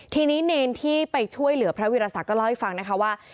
ทีนี้เนรที่ไปช่วยเหลือพระวิรสักก็เล่าให้ฟังนะคะว่า